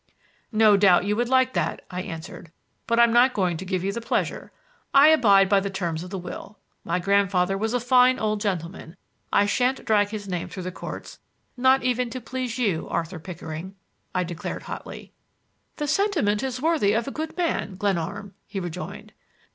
"No doubt you would like that," I answered. "But I'm not going to give you the pleasure. I abide by the terms of the will. My grandfather was a fine old gentleman. I shan't drag his name through the courts, not even to please you, Arthur Pickering," I declared hotly. "The sentiment is worthy of a good man, Glenarm," he rejoined.